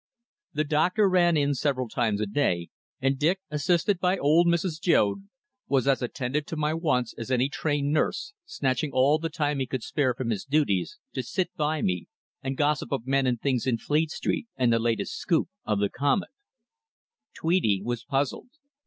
The doctor ran in several times each day, and Dick, assisted by old Mrs. Joad, was as attentive to my wants as any trained nurse, snatching all the time he could spare from his duties to sit by me and gossip of men and things in Fleet Street, and the latest "scoop" of the Comet. Tweedie was puzzled.